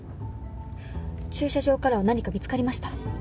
駐車場からは何か見つかりました？